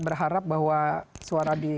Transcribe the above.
berharap bahwa suara di